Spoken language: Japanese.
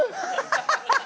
ハハハハ！